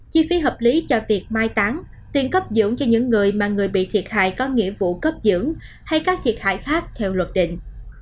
chi phí hợp lý cho việc mai tán tiền cấp dưỡng cho những người mà người bị thiệt hại có nghĩa vụ cấp dưỡng hay các thiệt hại khác theo luật định